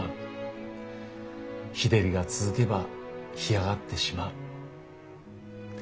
日照りが続けば干上がってしまう。